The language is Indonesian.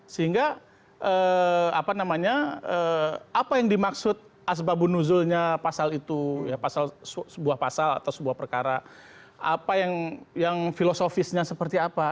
sehingga apa yang dimaksud asbabun nuzulnya pasal itu sebuah pasal atau sebuah perkara apa yang filosofisnya seperti apa